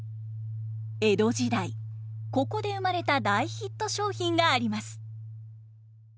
江戸時代ここで生まれた大ヒット商品があります。